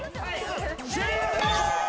終了！